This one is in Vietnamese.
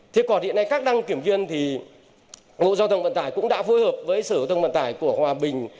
thế còn hiện nay các đăng kiểm viên thì bộ giao thông vận tải cũng đã phối hợp với sở thông vận tải của hòa bình